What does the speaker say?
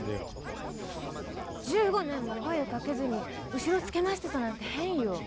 １５年も声をかけずに後ろを付け回してたなんて変よ。